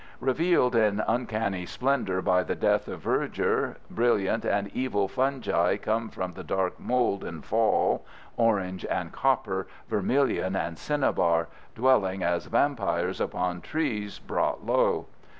Revealed in uncanny splendor by the death of verdure, brilliant and evil fungi come from the dark mold in fall, orange and copper, vermilion and cinnabar, dwelling as vampires upon trees brought low.